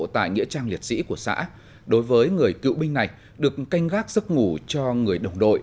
tại nghĩa trang liệt sĩ của xã đối với người cựu binh này được canh gác giấc ngủ cho người đồng đội